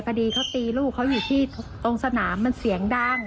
พอดีเขาตีลูกเขาอยู่ที่ตรงสนามมันเสียงดัง